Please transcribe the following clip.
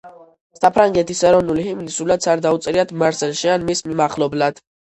საფრანგეთის ეროვნული ჰიმნი სულაც არ დაუწერიათ მარსელში ან მის მახლობლად.